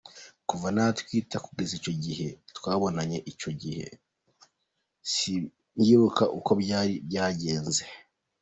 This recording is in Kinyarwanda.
Kuva natwita kugeza agiye twabonanye icyo gihe, simbyibuka uko byari byagenze.